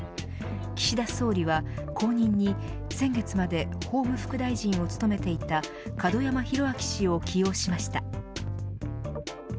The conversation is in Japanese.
岸田総理は、後任に先月まで法務副大臣を務めていた門山宏哲氏を起用しました。